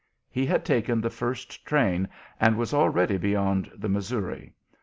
He had taken the first train and was already beyond the Missouri.